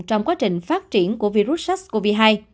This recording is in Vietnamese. trong quá trình phát triển của virus sars cov hai